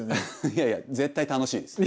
いやいや絶対楽しいです。